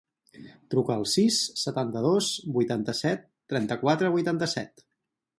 Truca al sis, setanta-dos, vuitanta-set, trenta-quatre, vuitanta-set.